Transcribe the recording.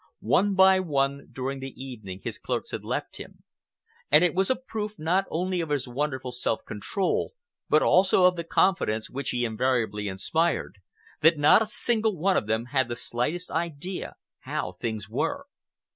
One by one during the evening his clerks had left him, and it was a proof not only of his wonderful self control but also of the confidence which he invariably inspired, that not a single one of them had the slightest idea how things were.